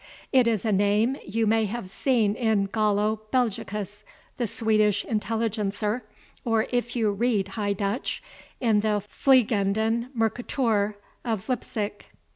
It is a name you may have seen in GALLO BELGICUS, the SWEDISH INTELLIGENCER, or, if you read High Dutch, in the FLIEGENDEN MERCOEUR of Leipsic.